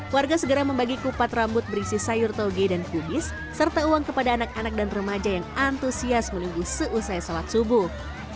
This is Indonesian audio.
warga segera membagi kupat rambut berisi sayur toge dan kubis serta uang kepada anak anak dan remaja yang antusias menunggu seusai sholat subuh